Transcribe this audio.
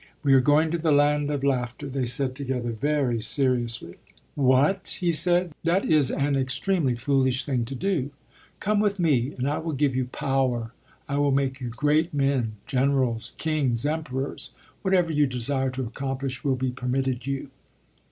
"We are going to the Land of Laughter," they said together very seriously. "What!" he said, "that is an extremely foolish thing to do. Come with me, and I will give you power. I will make you great men; generals, kings, emperors. Whatever you desire to accomplish will be permitted you."